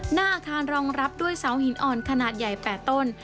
หน้าอาคารรองรับด้วยเสาหินอ่อนขนาดใหญ่๘ต้น